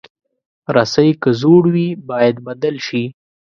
رسۍ که زوړ وي، باید بدل شي.